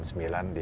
masih bisa kenapa